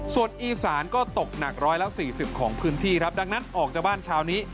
ส่วนอีสานก็ตกหนัก๑๔๐ของพื้นที่ครับดังนั้นออกจากบ้านเช้านี้